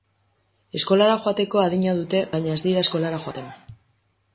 Eskolara joateko adina dute baina ez dira eskolara joaten.